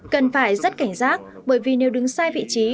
cần phải rất cảnh giác bởi vì nếu đứng sai vị trí